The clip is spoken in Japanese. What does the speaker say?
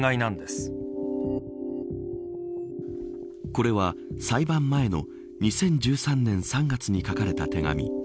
これは裁判前の２０１３年３月に書かれた手紙。